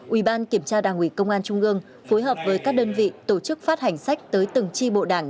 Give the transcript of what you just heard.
ủy ban kiểm tra đảng ủy công an trung ương phối hợp với các đơn vị tổ chức phát hành sách tới từng tri bộ đảng